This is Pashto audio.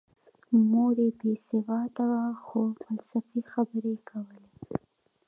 مور یې بې سواده وه خو فلسفي خبرې یې کولې